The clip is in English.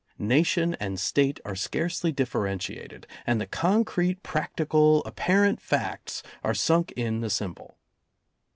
Nation and State are scarcely differentiated, and the concrete, prac tical, apparent facts are sunk in the symbol.